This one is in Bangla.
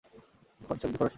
গঞ্জ শব্দটি ফরাসী।